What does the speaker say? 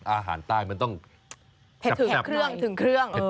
อาหารใต้มันต้องชับ